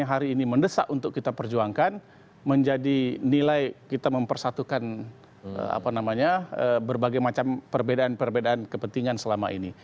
yang hari ini mendesak untuk kita perjuangkan menjadi nilai kita mempersatukan berbagai macam perbedaan perbedaan kepentingan selama ini